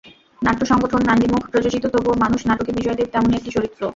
নাট্য সংগঠন নান্দীমুখ প্রযোজিত তবুও মানুষ নাটকে বিজয় দেব তেমনই একটি চরিত্র।